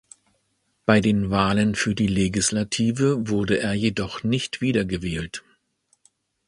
Bei den Wahlen für die Legislative wurde er jedoch nicht wieder gewählt.